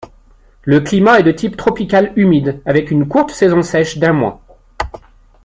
Le climat est de type tropical humide, avec une courte saison sèche d'un mois.